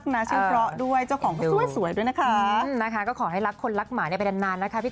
น่ารักเหมือนกัน